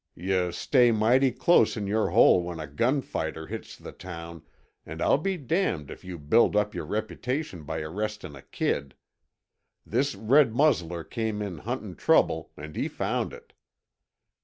Yuh stay mighty close in your hole when a gun fighter hits the town, and I'll be damned if you build up your reputation by arrestin' a kid. This red muzzler came in huntin' trouble, and he found it.